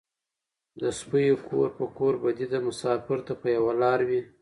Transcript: ـ د سپيو کور په کور بدي ده مسافر ته په يوه لار وي.